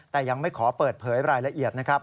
แต่ยังไม่ขอเปิดเผยรายละเอียดนะครับ